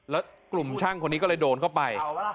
แล้วกลุ่มช่างคนนี้ก็เลยโดนเข้าไป